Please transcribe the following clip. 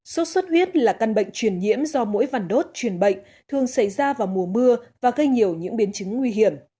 sốt xuất huyết là căn bệnh truyền nhiễm do mỗi vằn đốt truyền bệnh thường xảy ra vào mùa mưa và gây nhiều những biến chứng nguy hiểm